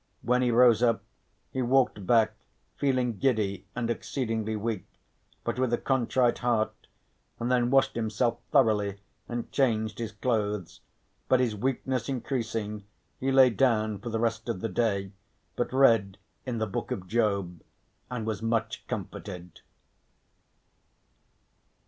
When he rose up he walked back feeling giddy and exceedingly weak, but with a contrite heart, and then washed himself thoroughly and changed his clothes, but his weakness increasing he lay down for the rest of the day, but read in the Book of Job and was much comforted.